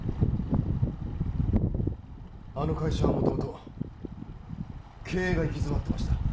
あの会社はもともと経営が行き詰まってました